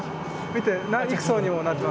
見て。